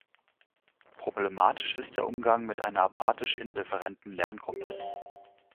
Problematisch ist der Umgang mit einer apathisch-indifferenten Lerngruppe.